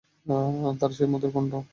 তার সেই মধুর কন্ঠ।